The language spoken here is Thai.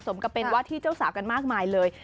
กับเป็นว่าที่เจ้าสาวกันมากมายเลย